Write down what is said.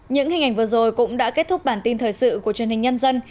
những hình ảnh vừa rồi cũng đã kết thúc bản tin thời sự của truyền hình nhân dân